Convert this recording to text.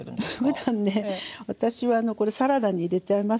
ふだんね私はこれサラダに入れちゃいますね。